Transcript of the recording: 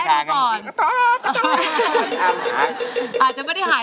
สวัสดีครับคุณหน่อย